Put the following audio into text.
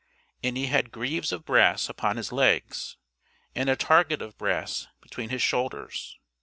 And he had greaves of brass upon his legs, and a target of brass between his shoulders.